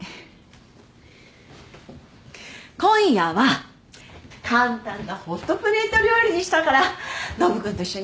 今夜は簡単なホットプレート料理にしたからノブ君と一緒にやってみて。